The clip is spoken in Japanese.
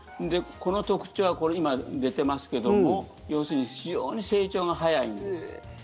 この特徴は、今出ていますけども要するに非常に成長が早いんです。